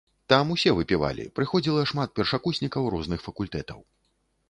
Там усе выпівалі, прыходзіла шмат першакурснікаў розных факультэтаў.